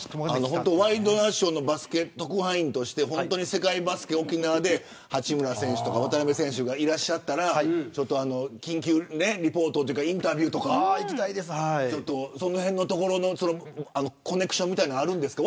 ワイドナショーのバスケ特派員として沖縄で八村選手とか渡邊選手がいらっしゃったら緊急リポートというかインタビューとかそのへんのコネクションみたいなのあるんですか。